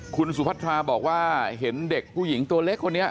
คุณสุพัทราบอกว่าเห็นเด็กผู้หญิงตัวเล็กคนนี้